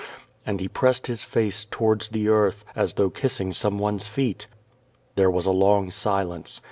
and he pressed his face towards the earth, as though kissing some one's feet. There was a long silence.